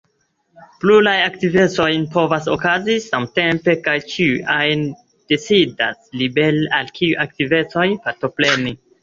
Pluraj aktivecoj povas okazi samtempe kaj ĉiu ajn decidas libere al kiuj aktivecoj partopreni.